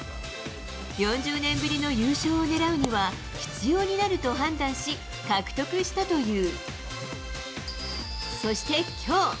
４０年ぶりの優勝を狙うには、必要になると判断し、獲得したという。